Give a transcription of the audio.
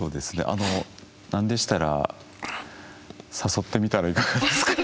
あのなんでしたら誘ってみたらいかがですか？